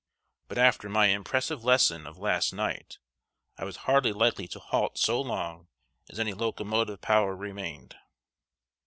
But after my impressive lesson of last night, I was hardly likely to halt so long as any locomotive power remained.